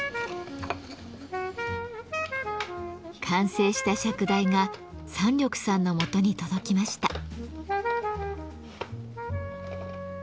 完成した釈台が山緑さんのもとに届きました。